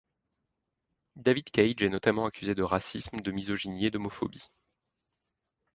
David Cage est notamment accusé de racisme, de misogynie et d'homophobie.